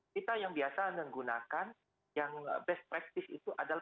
kita yang biasa menggunakan yang best practice itu adalah